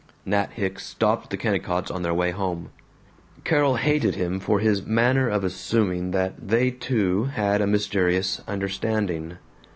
Nat Hicks stopped the Kennicotts on their way home. Carol hated him for his manner of assuming that they two had a mysterious understanding.